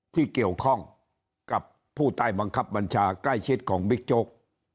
ที่เกี่ยวข้องกับผู้ใต้บังคับบัญชาใกล้ชิดของบิ๊กโจ๊ก